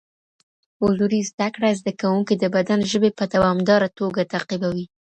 حضوري زده کړه زده کوونکي د بدن ژبي په دوامداره توګه تعقيبوي.